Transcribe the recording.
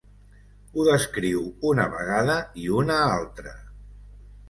Ho descriu una vegada i una altra.